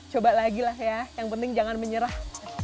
coba lagi lah ya yang penting jangan menyerah